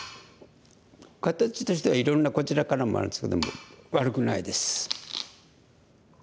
形としてはいろんなこちらからもあるんですけども悪くないです。